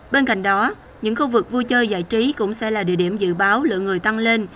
bên cạnh đó những khu vực vui chơi giải trí cũng sẽ là địa điểm dự báo lượng người tăng lên